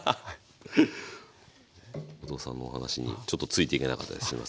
後藤さんのお話にちょっとついていけなかったですすみません。